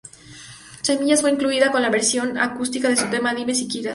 Semillas fue incluida con la versión acústica de su tema "Dime siquiera algo".